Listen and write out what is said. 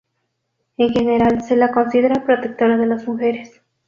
En general se la considera protectora de las mujeres.